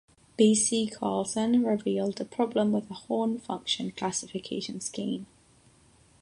B. C. Carlson revealed a problem with the Horn function classification scheme.